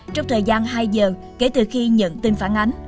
trong thời gian hai giờ kể từ khi nhận tin phản ánh